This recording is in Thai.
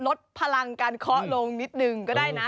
ลดพลังการเคาะลงนิดนึงก็ได้นะ